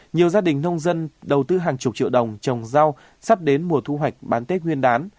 nhiều gia đình nông dân đầu tư hàng chục triệu đồng trồng rau sắp đến mùa thu hoạch bán tết nguyên đán